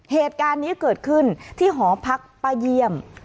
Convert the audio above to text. เหตุการณ์นี้เกิดขึ้นที่หอพักป้าเยี่ยม